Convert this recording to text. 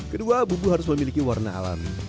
kedua bumbu harus memiliki warna alami